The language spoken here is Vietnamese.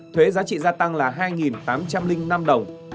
thuế giá trị gia tăng là hai tám trăm linh năm đồng